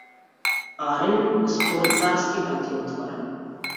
Арен збор царски врати отвора.